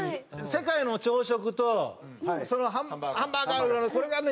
世界の朝食とハンバーガーこれがね